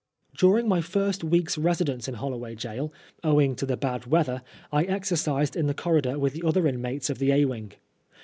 During my first week's residence in HoUoway Gaol» owing to the bad weather, I exercised in the corridor with the other inmates of the A wing.